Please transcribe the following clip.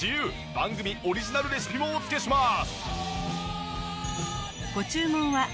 番組オリジナルレシピもお付けします。